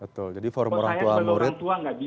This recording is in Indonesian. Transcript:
betul jadi forum orang tua murid